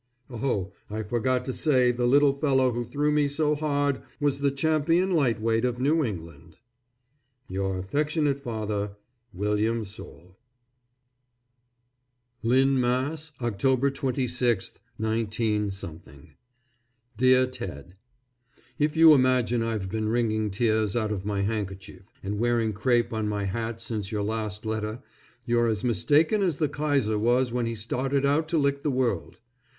Oh! I forgot to say the little fellow who threw me so hard was the Champion Lightweight of New England. Your affectionate father, WILLIAM SOULE. LYNN, MASS., _October 26, 19 _ DEAR TED: If you imagine I've been wringing tears out of my handkerchief, and wearing crepe on my hat since I got your last letter, you're as mistaken as the Kaiser was when he started out to lick the world.